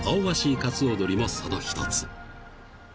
カツオドリもその一つ］